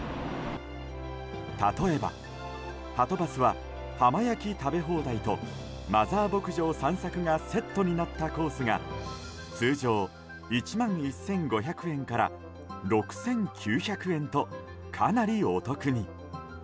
例えば、はとバスは浜焼き食べ放題とマザー牧場散策がセットになったコースが通常１万１５００円から６９００円と、かなりお得に。